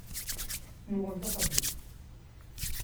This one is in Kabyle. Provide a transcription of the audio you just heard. Yuɣal d axabit.